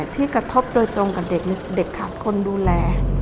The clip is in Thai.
ที่กระทบโดยตรงกับเด็กขาดคนดูแล